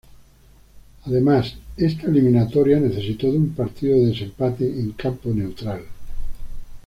Además, esta eliminatoria necesitó de un partido de desempate en campo neutral.